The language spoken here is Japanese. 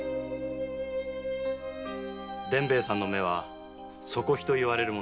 伝兵衛さんの目はソコヒと言われるものです。